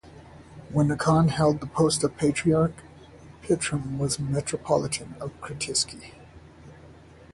When Nikon held the post of patriarch, Pitirim was a metropolitan of Krutitsy.